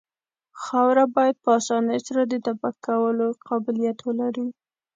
خاوره باید په اسانۍ سره د تپک کولو قابلیت ولري